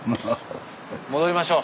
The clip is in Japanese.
戻りましょう。